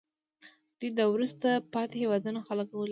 دوی د وروسته پاتې هېوادونو خلک غولوي